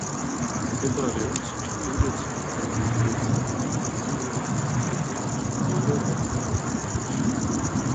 მდებარეობს ჩრდილო-ცენტრალურ შვეიცარიაში, ციურიხის ტბის ჩრდილო-დასავლეთ კუთხეში.